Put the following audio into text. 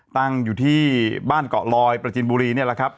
ตั้งอยู่ที่บ้านเกาะลอยประจินบุรีนี่แหละครับ